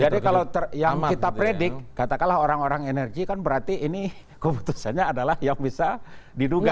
jadi kalau yang kita predik katakanlah orang orang energi kan berarti ini keputusannya adalah yang bisa diduga